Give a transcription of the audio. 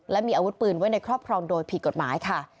และมีอาวุธปืนไว้ในครอบครองโดยผิดกฎหมายค่ะ